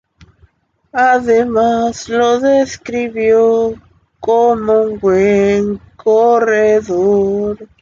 Además lo describió como un "buen corredor".